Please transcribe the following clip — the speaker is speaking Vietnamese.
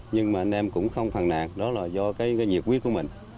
nhưng mà anh em cũng không phàn nạt đó là do cái nhiệt huyết của mình